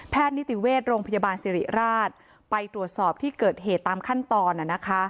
นิติเวชโรงพยาบาลสิริราชไปตรวจสอบที่เกิดเหตุตามขั้นตอน